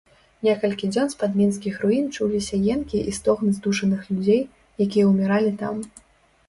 Некалькі дзён з-пад мінскіх руін чуліся енкі і стогны здушаных людзей, якія ўміралі там.